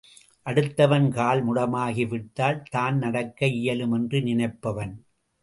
அடுத்தவன் கால் முடமாகி விட்டால், தான் நடக்க இயலும் என்று நினைப்பான்.